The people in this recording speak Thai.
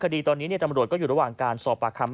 คดีตอนนี้ตำรวจก็อยู่ระหว่างการสอบปากคำ